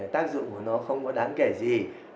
tác dụng của nó không có đáng kể gì